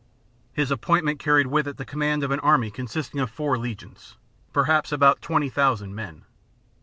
His appointment carried with it the command of an army consisting of four legions, perhaps about twenty thousand men.